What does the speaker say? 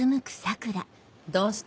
どうした？